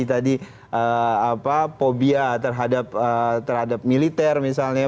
tadi fobia terhadap militer misalnya